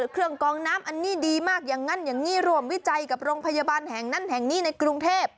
กองน้ำอันนี้ดีมากอย่างนั้นอย่างนี้ร่วมวิจัยกับโรงพยาบาลแห่งนั้นแห่งนี้ในกรุงเทพ